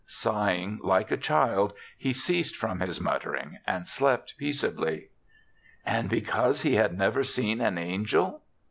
Sighing like a child, he ceased from his mut tering and slept peaceably. "And because he had never seen an angel?"